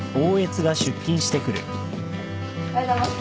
おはようございます。